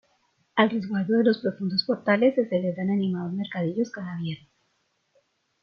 Al resguardo de los profundos portales se celebran animados mercadillos cada viernes.